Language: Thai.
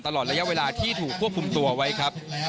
ตลอดระยะเวลาที่ถูกควบคุมตัวไว้ครับ